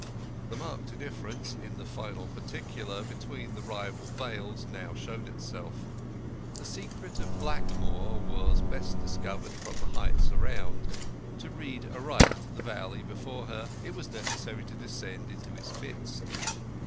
The marked difference, in the final particular, between the rival vales now showed itself. The secret of Blackmoor was best discovered from the heights around; to read aright the valley before her it was necessary to descend into its midst.